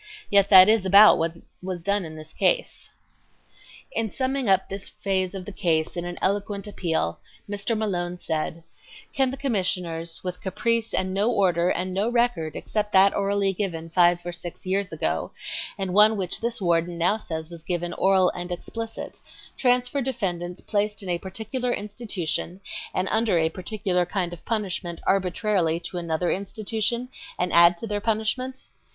Yet that is about what was done in this case." In summing up this phase of the case in an eloquent appeal, Mr. Malone said: "Can the Commissioners, with caprice and no order and no record except that orally given five or six years ago, and one which this warden now says was given 'oral and explicit,' transfer defendants placed in a particular institution, and under a particular kind of punishment arbitrarily to another institution, and add to their punishment?